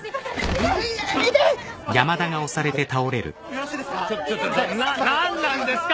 よろしいですか？